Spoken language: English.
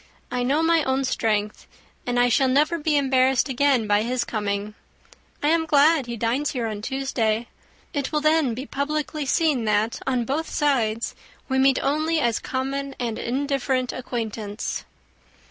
I know my own strength, and I shall never be embarrassed again by his coming. I am glad he dines here on Tuesday. It will then be publicly seen, that on both sides we meet only as common and indifferent acquaintance."